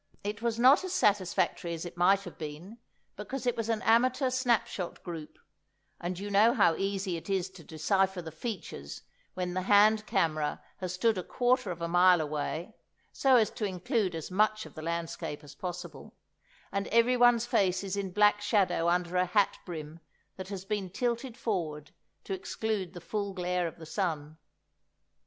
It was not as satisfactory as it might have been, because it was an amateur snapshot group, and you know how easy it is to decipher the features when the hand camera has stood a quarter of a mile away (so as to include as much of the landscape as possible), and everyone's face is in black shadow under a hat brim that has been tilted forward to exclude the full glare of the sun.